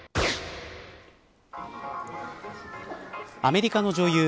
アメリカの女優